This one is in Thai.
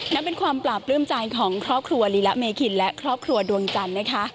นับเป็นความปราบปลื้มใจของครอบครัวลีละเมคินและครอบครัวดวงจันทร์นะคะ